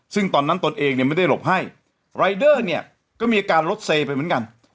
ซึ่งตอนนั้นตนเองเนี่ยไม่ได้หลบให้รายเดอร์เนี่ยก็มีอาการรถเซไปเหมือนกัน